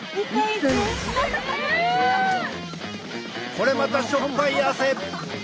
これまた塩っぱい汗。